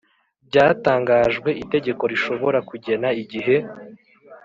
Byatangajwe, itegeko rishobora kugena igihe